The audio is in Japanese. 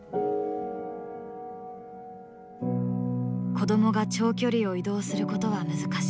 子どもが長距離を移動することは難しい。